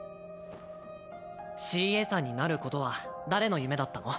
ＣＡさんになることは誰の夢だったの？